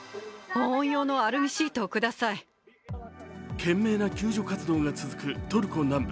懸命な救助活動が続くトルコ南部。